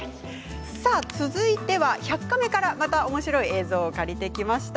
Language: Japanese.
続いては「１００カメ」からおもしろい映像を借りてきました。